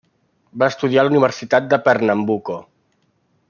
Va estudiar a la Universitat de Pernambuco.